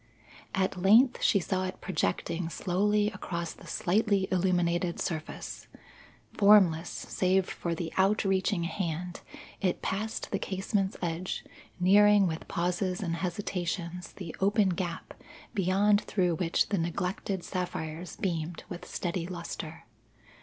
At length she saw it projecting slowly across the slightly illuminated surface. Formless, save for the outreaching hand, it passed the casement's edge, nearing with pauses and hesitations the open gap beyond through which the neglected sapphires beamed with steady lustre.